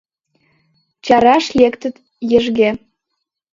Чараш лектыт ешге.